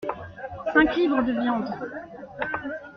Cinq livres de viandes.